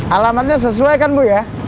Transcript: alamatnya sesuai kan bu ya